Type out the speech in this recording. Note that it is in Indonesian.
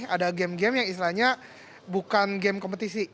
ada game game yang istilahnya bukan game kompetisi